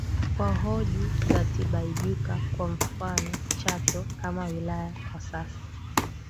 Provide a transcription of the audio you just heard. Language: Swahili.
Kwa hoja za Tibaijuka kwa mfano Chato kama wilaya kwa sasa